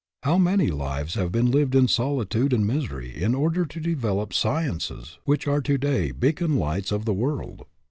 How many lives have been lived in solitude and misery in order to develop sciences which are to day beacon lights of the world!